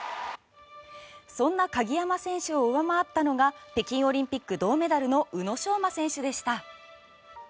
そんな鍵山選手を上回ったのが北京オリンピック銅メダルの宇野昌磨選手でした。